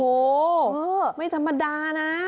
โอ้โหไม่ธรรมดานะ